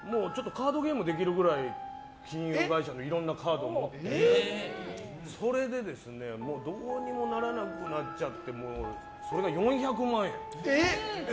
カードゲームできるくらい金融会社のいろんなカードを持ってそれでどうにもならなくなっちゃってそれが４００万円。